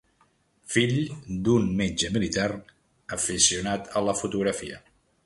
Fill d'un metge militar aficionat a la fotografia.